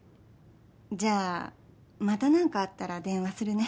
じゃあまた何かあったら電話するね。